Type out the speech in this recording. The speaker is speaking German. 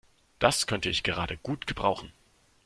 Das könnte ich gerade gut gebrauchen.